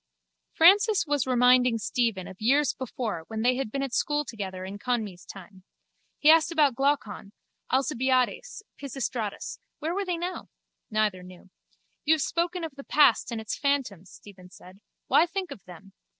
Francis was reminding Stephen of years before when they had been at school together in Conmee's time. He asked about Glaucon, Alcibiades, Pisistratus. Where were they now? Neither knew. You have spoken of the past and its phantoms, Stephen said. Why think of them?